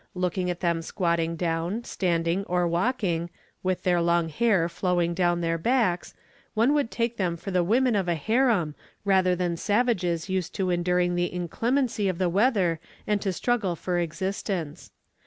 Looking at them squatting down, standing or walking, with their long hair flowing down their backs, one would take them for the women of a harem rather than savages used to enduring the inclemency of the weather and to struggle for existence.